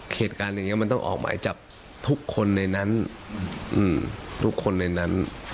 เหตุการณ์อย่างนี้มันต้องออกหมายจากทุกคนในนั้น